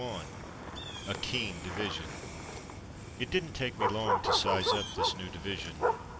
— A KEEN DIVISION It didn't take me long to size up this new division.